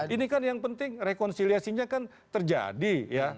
ini kan yang penting rekonsiliasinya kan terjadi ya